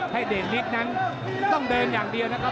เดชนิกนั้นต้องเดินอย่างเดียวนะครับ